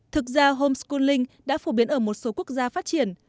thực ra homeschooling đã phổ biến ở một số quốc gia phát triển